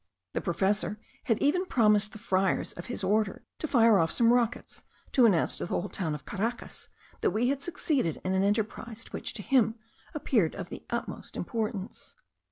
The professor had even promised the friars of his order to fire off some rockets, to announce to the whole town of Caracas that we had succeeded in an enterprise which to him appeared of the utmost importance.